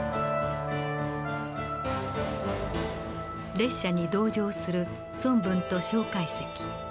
列車に同乗する孫文と介石。